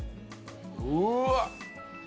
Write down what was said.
うわっ。